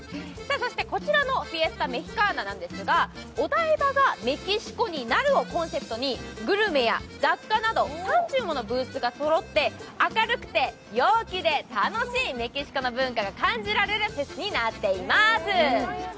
そしてこちらのフィエスタ・メヒカーナなんですが、お台場がメキシコになるをコンセプトにグルメや雑貨など３０ものブースがそろって、明るくて陽気で楽しいメキシコの文化が感じられるフェスになっています。